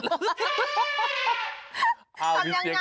ทำยังไง